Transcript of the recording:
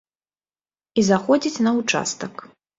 І заходзіць на участак.